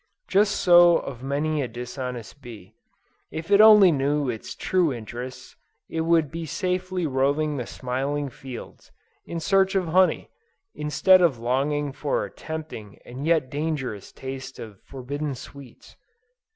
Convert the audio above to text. Just so of many a dishonest bee. If it only knew its true interests, it would be safely roving the smiling fields, in search of honey, instead of longing for a tempting and yet dangerous taste of forbidden sweets.